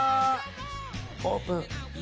オープン！